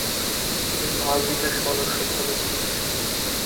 তিনি মালদ্বীপের সংসদের সদস্য ছিলেন।